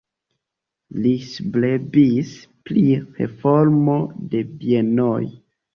Li strebis pri reformo de bienoj.